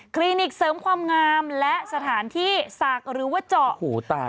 คลินิกเสริมความงามและสถานที่สากหรือว่าเจาะ